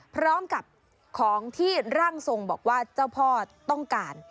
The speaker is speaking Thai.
พร้อมกับของที่ร่างทรงบอกว่าเจ้าพ่อต้องการ